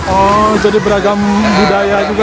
oh jadi beragam budaya juga